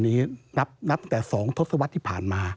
นับตั้งแต่๒ทศวรรษที่ผ่านมา